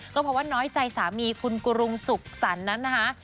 ก็เพราะว่าน้อยใจสามีคุณกรุงสุขสรรค์นั้นนะคะ